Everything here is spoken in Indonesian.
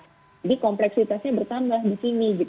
jadi kompleksitasnya bertambah di sini